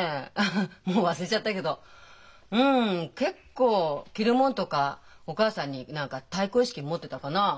フフッもう忘れちゃったけどうん結構着る物とかお母さんに何か対抗意識持ってたかなあ。